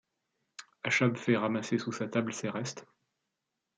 Achab fait ramasser sous sa table ses restes